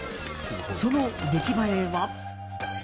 その出来栄えは。